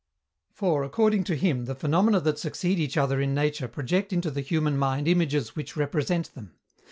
For, according to him, the phenomena that succeed each other in nature project into the human mind images which represent them.